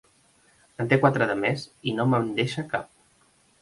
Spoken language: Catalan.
En té quatre de més i no me'n deixa cap.